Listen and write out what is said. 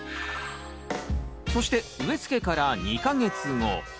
そして植え付けから２か月後。